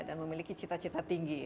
dan memiliki cita cita tinggi